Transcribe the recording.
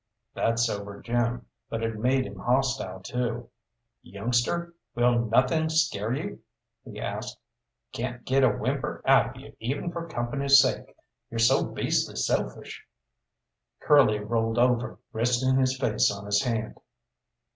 That sobered Jim, but it made him hostile, too. "Youngster, will nothing scare you?" he asked; "can't get a whimper out of you even for company's sake you're so beastly selfish." Curly rolled over, resting his face on his hand.